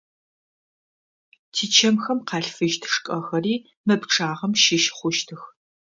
Тичэмхэм къалъфыщт шкӏэхэри мы пчъагъэм щыщ хъущтых.